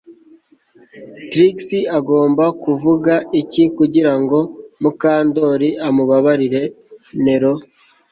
Trix agomba kuvuga iki kugirango Mukandoli amubabarire Nero